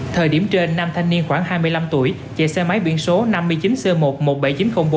thời điểm trên nam thanh niên khoảng hai mươi năm tuổi chạy xe máy biển số năm mươi chín c một trăm một mươi bảy nghìn chín trăm linh bốn